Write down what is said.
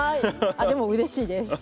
でもうれしいです。